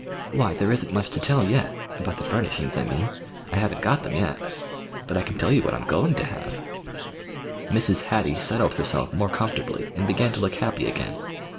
"Why, there isn't much to tell yet—about the furnishings, I mean. I haven't got them yet. But I can tell you what I'm going to have." Mrs. Hattie settled herself more comfortably, and began to look happy again.